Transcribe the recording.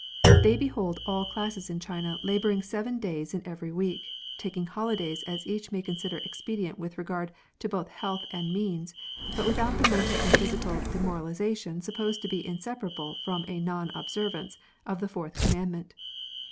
They behold all classes in China labouring seven days in every week, tak ing holidays as each may consider expedient with regard both to health and means, but without the mental and physical demoralisation supposed to be inseparable from a non observance of the fourth commandment.